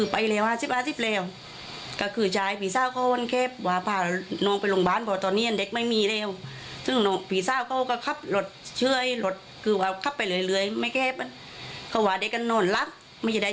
พี่เจ้าก็ว่าพาวิทยุไปโรงพยาบาลเพราะตอนนี้น้องต้องไปช่วย